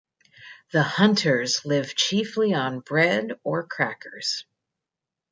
The hunters live chiefly on bread or crackers.